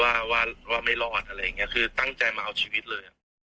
ว่าไม่รอดเฑื่อตั้งใจมาเอาชีวิตเลย